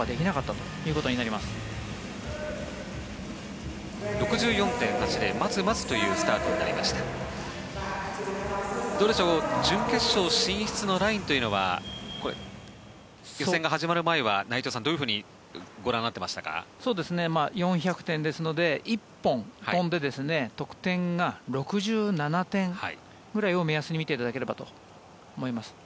どうでしょう準決勝進出のラインというのは予選が始まる前は内藤さんどうご覧になっていましたか。４００点ですので１本飛んで得点が６７点ぐらいを目安に見ていただければと思います。